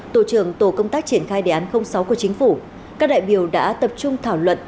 tổ trưởng tổ công tác triển khai đề án sáu của chính phủ các đại biểu đã tập trung thảo luận